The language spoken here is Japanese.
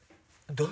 どう？